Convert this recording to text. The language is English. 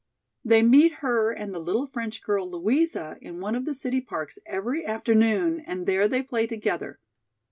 They meet her and the little French girl, Louisa, in one of the city parks every afternoon and there they play together.